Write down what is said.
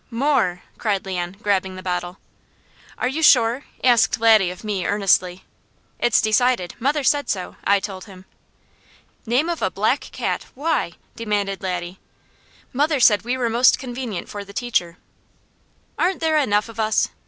"More!" cried Leon, grabbing the bottle. "Are you sure?" asked Laddie of me earnestly. "It's decided. Mother said so," I told him. "Name of a black cat, why?" demanded Laddie. "Mother said we were most convenient for the teacher." "Aren't there enough of us?"